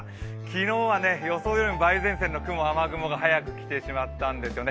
昨日は予想よりも梅雨前線の雨雲が早く来てしまったんですよね。